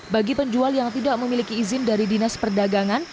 bagi penjual yang tidak memiliki izin dari dinas perdagangan